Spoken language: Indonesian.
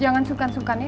jangan sukan sukan ya